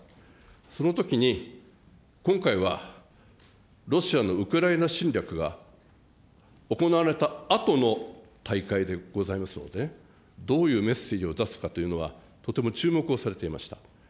そのときに、今回はロシアのウクライナ侵略が行われたあとの大会でございますのでね、どういうメッセージを出すかというのは、とても注目をされていました。